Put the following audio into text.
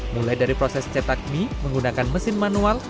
mulai dari proses cetak mie menggunakan mesin manual